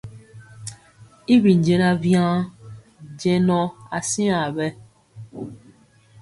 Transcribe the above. Y bi jɛɛnaŋ waŋ jɛŋɔ asiaŋ bɛ.